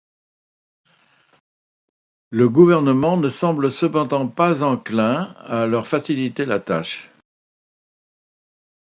Le gouvernement ne semble cependant pas enclin à leur faciliter la tâche.